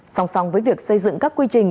song song với việc xây dựng các quy trình